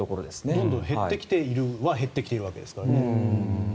どんどん減ってきているは減ってきているわけですね。